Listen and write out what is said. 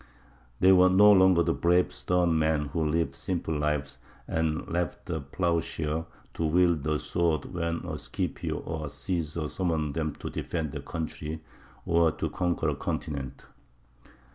They were no longer the brave stern men who lived simple lives and left the ploughshare to wield the sword when a Scipio or a Cæsar summoned them to defend their country or to conquer a continent.